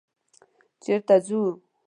_چېرته ځو؟